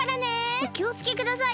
おきをつけください！